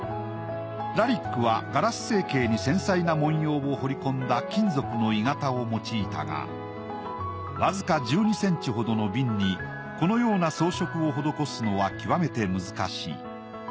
ラリックはガラス成型に繊細な文様を彫りこんだ金属の鋳型を用いたがわずか１２ｃｍほどの瓶にこのような装飾を施すのは極めて難しい。